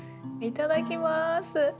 いただきます。